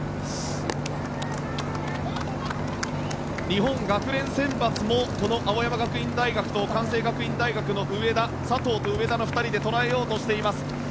日本学連選抜もこの青山学院大学と関西学院大学の上田佐藤と上田の２人で捉えようとしています。